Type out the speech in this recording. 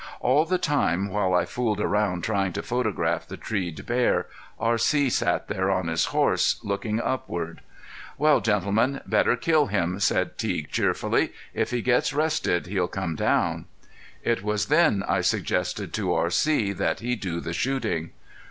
All the time while I fooled around trying to photograph the treed bear, R.C. sat there on his horse, looking upward. "Well, gentlemen, better kill him," said Teague, cheerfully. "If he gets rested he'll come down." It was then I suggested to R.C. that he do the shooting.